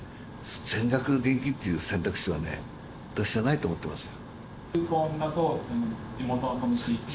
全額現金っていう選択肢は、私はないと思ってますよ。